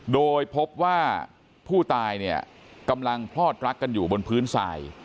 โดยพบว่าผู้ตายเนี่ยกำลังพลอดรักกันอยู่บนพื้นทราย